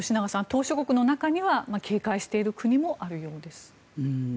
島しょ国の中には警戒している国もあるようです。